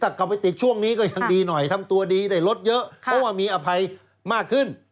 ถ้ากลับไปติดช่วงนี้ก็ยังดีหน่อยทำตัวดีได้รถเยอะเพราะว่ามีอภัยมากขึ้น